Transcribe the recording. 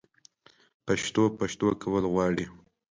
پښتو؛ پښتو کول غواړي